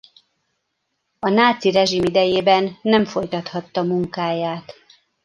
A náci rezsim idejében nem folytathatta munkáját.